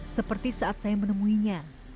seperti saat saya menemuinya